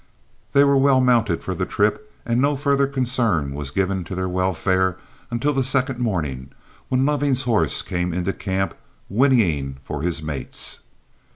They were well mounted for the trip, and no further concern was given to their welfare until the second morning, when Loving's horse came into camp, whinnying for his mates.